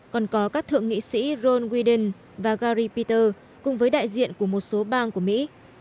còn có các thượng nghị sĩ ron whedon và gary peter cùng với đại diện của một số bang của mỹ